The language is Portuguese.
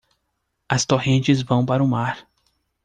As torrentes vão para o mar.